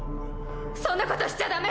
そんなことしちゃダメ！